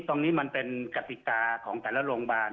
ตรงนี้มันเป็นกติกาของแต่ละโรงพยาบาล